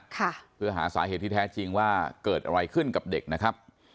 ใช่ค่ะยืนยันว่าไม่ได้ทำร้ายเด็กค่ะ